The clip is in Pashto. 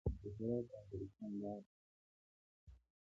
د هرات د انګورستان باغ د شاهرخ میرزا جوړ کړ